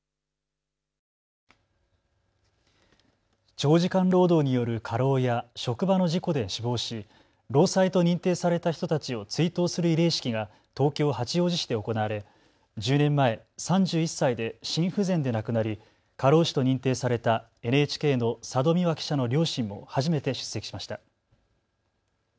長時間労働による過労や職場の事故で死亡し労災と認定された人たちを追悼する慰霊式が東京八王子市で行われ１０年前、３１歳で心不全で亡くなり過労死と認定されたＮＨＫの佐戸未和記者の両親も初めて出席しました。